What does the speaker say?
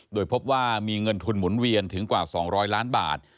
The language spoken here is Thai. โดยพบว่ามีเงินทุนหมุนเวียนถึงกว่า๒๐๐ล้านบาท